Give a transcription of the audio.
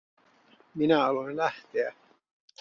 Minä aloin lähteä.